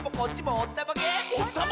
おったまげ！